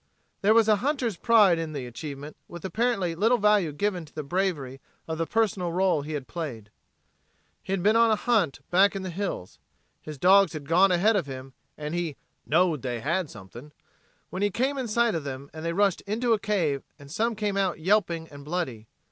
There was a hunter's pride in the achievement with apparently little value given to the bravery of the personal role he had played. He had been on a hunt back in the hills. His dogs had gone ahead of him and he "knowed they had somethin'." When he came in sight of them they rushed into a cave and some came out yelping and bloody.